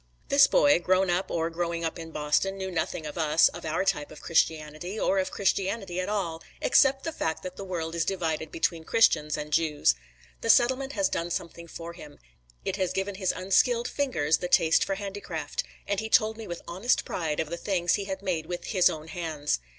This boy, grown up, or growing up in Boston, knew nothing of us, of our type of Christianity, or of Christianity at all; except the fact that the world is divided between Christians and Jews. The settlement has done something for him; it has given his unskilled fingers the taste for handicraft, and he told me with honest pride of the things he had made with "his own hands."